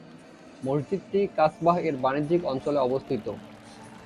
মসজিদটি কাসবাহ-এর বাণিজ্যিক অঞ্চলে অবস্থিত।